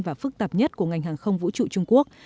và phức tạp nhất của ngành hàng không vũ trụ trung quốc